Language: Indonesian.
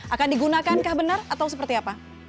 akan digunakan kah benar atau seperti apa